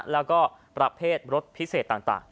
แล้วก็ประเภทรสพิเศษต่าง